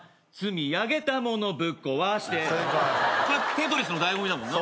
テトリスの醍醐味だもんな。